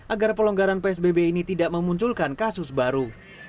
agar pelonggaran psbb ini tidak memunculkan kasus baru